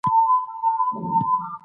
په هر کار کي افراط کول تاوان لري.